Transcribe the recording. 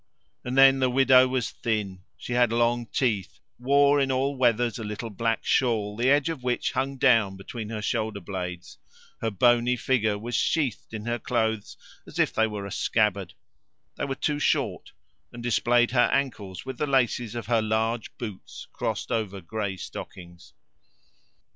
And then the widow was thin; she had long teeth; wore in all weathers a little black shawl, the edge of which hung down between her shoulder blades; her bony figure was sheathed in her clothes as if they were a scabbard; they were too short, and displayed her ankles with the laces of her large boots crossed over grey stockings.